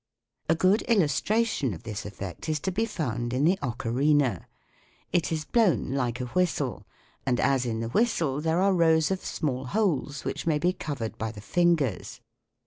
A good illustration of this effect is to be found in the ocarina. It is blown like a whistle, and as in the whistle there are rows of small holes which may be covered by the fingers.